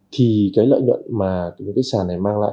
thì cái lợi nhuận mà sàn này mang lại